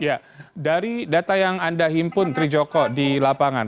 ya dari data yang anda himpun trijoko di lapangan